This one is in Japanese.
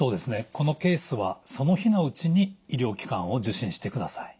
このケースはその日のうちに医療機関を受診してください。